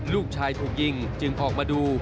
ลูกชายถูกยิงจึงออกมาดู